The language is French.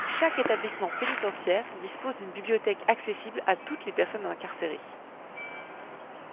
Chaque établissement pénitentiaire dispose d'une bibliothèque accessible à toutes les personnes incarcérées.